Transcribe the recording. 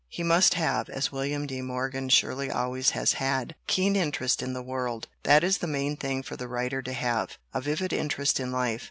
He must have as William de Morgan surely always has had keen interest in the world. That is the main thing for the writer to have a vivid interest in life.